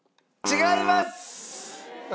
違います。